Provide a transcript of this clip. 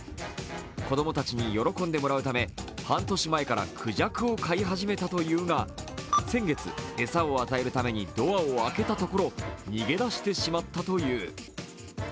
子供たちに喜んでもらうため半年前からくじゃくを飼い始めたというが先月、餌を与えるためにドアを開けたところ逃げ出してしまったという。